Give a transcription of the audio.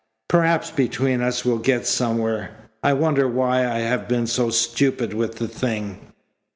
Perhaps between us we'll get somewhere. I wonder why I have been so stupid with the thing."